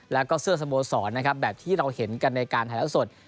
แล้วก็เสื้อสโมสรนะครับแบบที่เราเห็นกันในการถ่ายแล้วสด